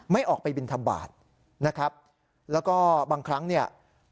ไม่ออกไปบินทบาทนะครับแล้วก็บางครั้งเนี่ย